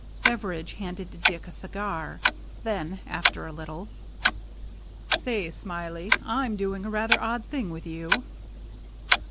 Beveridge handed Dick a cigar. Then, after a little :—" Say, Smiley, Fm doing a rather odd thing with you."